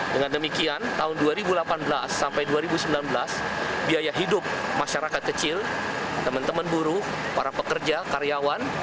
dengan demikian tahun dua ribu delapan belas sampai dua ribu sembilan belas biaya hidup masyarakat kecil teman teman buruh para pekerja karyawan